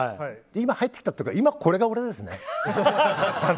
今、入ってきたというか今のこれが俺ですね。